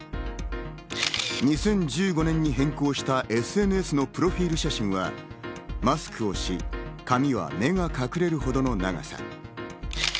２０１５年に変更したＳＮＳのプロフィル写真は、マスクをし、髪は目が隠れるほどの長さ。